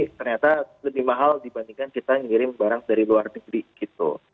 ternyata lebih mahal dibandingkan kita ngirim barang dari luar negeri gitu